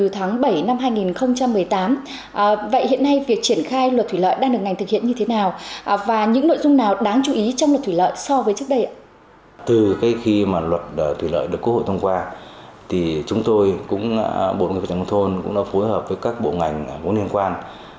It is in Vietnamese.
thì chúng tôi cũng bộ nông nghiệp và phát triển nông thôn cũng đã phối hợp với các bộ ngành vốn liên quan